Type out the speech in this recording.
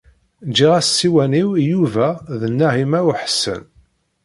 Ǧǧiɣ-as ssiwan-iw i Yuba d Naɛima u Ḥsen.